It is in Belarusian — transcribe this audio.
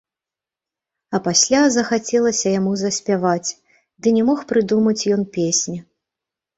А пасля захацелася яму заспяваць, ды не мог прыдумаць ён песні.